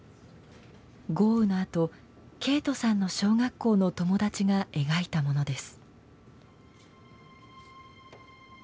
豪雨のあと景都さんの小学校の友達が描いたものです。